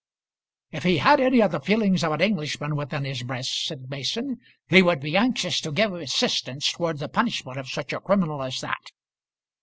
"If he had any of the feelings of an Englishman within his breast," said Mason, "he would be anxious to give assistance towards the punishment of such a criminal as that."